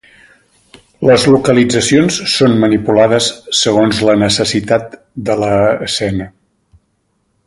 Les localitzacions són manipulades segons la necessitat de l’escena.